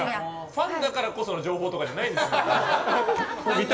ファンだからこその情報とかじゃないんですね。